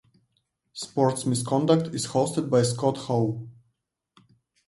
"Sports Misconduct" is hosted by Scott Howe.